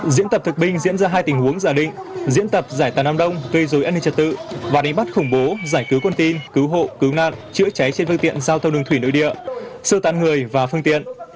diễn tập thực binh diễn ra hai tình huống giả định diễn tập giải tàn đám đông gây dối an ninh trật tự và đánh bắt khủng bố giải cứu con tin cứu hộ cứu nạn chữa cháy trên phương tiện giao thông đường thủy nội địa sơ tán người và phương tiện